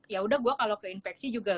yaudah gue kalau keinfeksi juga